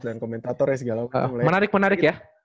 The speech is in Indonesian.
dan komentatornya segalanya menarik menarik ya